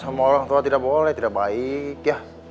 sama orang tua tidak boleh tidak baik ya